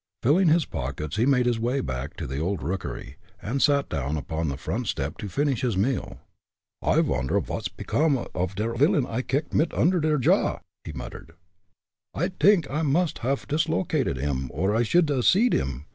Filling his pockets he made his way back to the old rookery, and sat down upon the front step to finish his meal. "I vonder vot's pecome of der villain I kicked mit der under jaw?" he muttered. "I t'ink I must haff dislocated 'im or I should 'a' seed him.